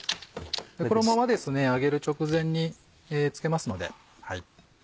衣は揚げる直前に付けますので。